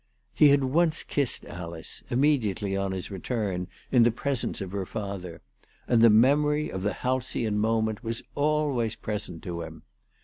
He had once kissed Alice, immediately on his return, in the presence of her father, and the memory of the halcyon moment was always present to him.